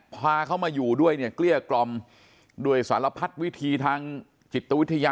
พาเขามาอยู่ด้วยเนี่ยเกลี้ยกล่อมด้วยสารพัดวิธีทางจิตวิทยา